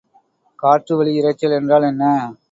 காற்று வெளி இரைச்சல் என்றால் என்ன?